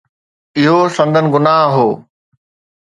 اهو سندن گناهه هو.